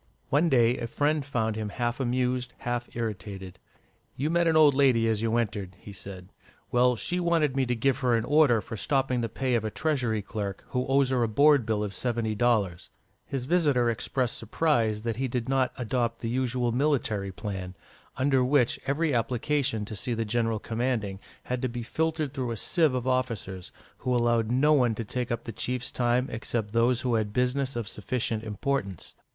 One day a friend found him half amused, half irritated. "You met an old lady as you entered," he said. "Well, she wanted me to give her an order for stopping the pay of a Treasury clerk who owes her a board bill of seventy dollars." His visitor expressed surprise that he did not adopt the usual military plan, under which every application to see the general commanding had to be filtered through a sieve of officers, who allowed no one to take up the chief's time except those who had business of sufficient importance.